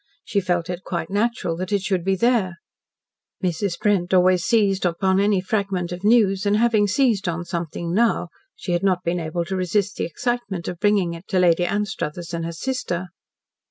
She felt it quite natural that it should be there. Mrs. Brent always seized upon any fragment of news, and having seized on something now, she had not been able to resist the excitement of bringing it to Lady Anstruthers and her sister.